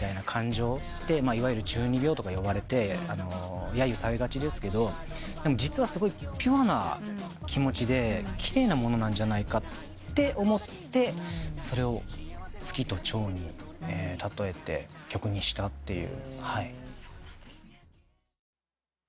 いわゆる中二病とか呼ばれてやゆされがちですけど実はすごいピュアな気持ちで奇麗なものなんじゃないかって思ってそれを月とチョウに例えて曲にしたという。